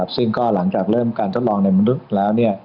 ซึ่งก็หลังจากเริ่มการทดลองในมนุษย์แล้ว